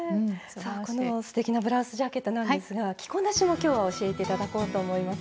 このすてきなブラウスジャケットなんですが着こなしも今日は教えて頂こうと思います。